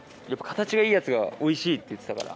形がいいやつがおいしいって言ってたから。